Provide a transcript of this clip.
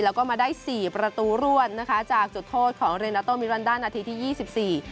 แล้วก็มาได้สี่ประตูรวดนะคะจากจุดโทษของเรนาโตมิรันดานาทีที่ยี่สิบสี่